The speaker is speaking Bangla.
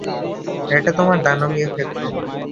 এটা তোমার দানবীয় ক্ষেত্র।